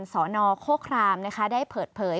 สนโคครามได้เปิดเผย